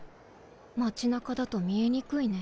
街中だと見えにくいね。